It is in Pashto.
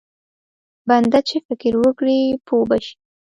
بنده چې فکر وکړي پوه به شي.